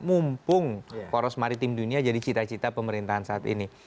mumpung poros maritim dunia jadi cita cita pemerintahan saat ini